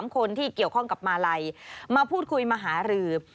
คนที่เกี่ยวข้องกับมาลัยมาพูดคุยมาหารือ